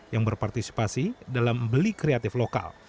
yang berpartisipasi dalam beli kreatif lokal